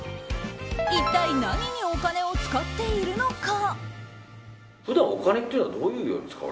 一体何にお金を使っているのか？